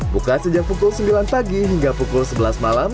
buka sejak pukul sembilan pagi hingga pukul sebelas malam